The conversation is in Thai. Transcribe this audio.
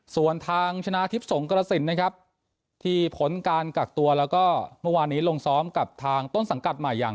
ส่วนทางชนะทิพย์สงกรสินนะครับที่ผลการกักตัวแล้วก็เมื่อวานนี้ลงซ้อมกับทางต้นสังกัดใหม่อย่าง